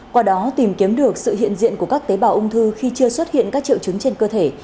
qua đó tìm kiếm được sự hiện diện của các tế bào ung thư khi chưa xuất hiện các triệu chứng trên cơ thể